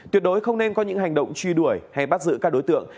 tuyệt đối không nên có những hành động truy đuổi hay bắt giữ các đối tượng